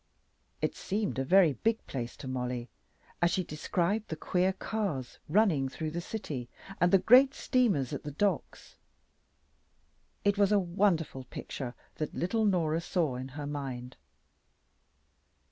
It seemed a very big place to Mollie. As she described the queer cars running through the city, and the great steamers at the docks, it was a wonderful picture that little Norah saw in her mind.